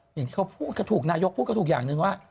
อย่างที่เขาพูดก็ถูกนายกพูดก็ถูกอย่างหนึ่งว่า